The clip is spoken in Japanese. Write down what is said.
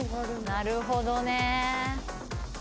なるほどね。